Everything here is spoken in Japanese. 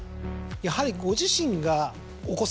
やはりご自身が。